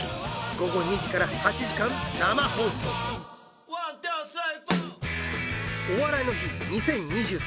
ごご２時から８時間生放送「お笑いの日２０２３」